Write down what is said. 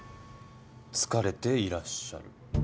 疲れていらっしゃる。